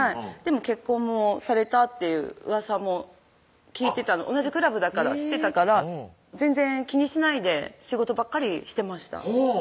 結婚もされたっていううわさも聞いてた同じクラブだから知ってたから全然気にしないで仕事ばっかりしてました